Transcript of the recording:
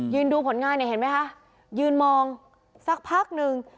ดูผลงานเนี่ยเห็นไหมคะยืนมองสักพักหนึ่ง